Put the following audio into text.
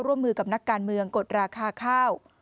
ร่วมมือกับนักการเมืองกดราคาข้าว